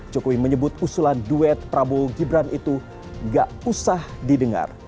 jokowi menyebut usulan duet prabowo gibran itu gak usah didengar